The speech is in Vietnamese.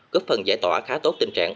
cấp phần giải tỏa khá tốt tình trạng